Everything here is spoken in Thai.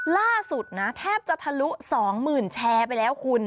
ล่าสุดนะแทบจะทะลุสองหมื่นแชร์ไปแล้วคุณ